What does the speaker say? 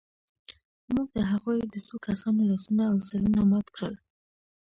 موږ د هغوی د څو کسانو لاسونه او سرونه مات کړل